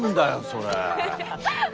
それ。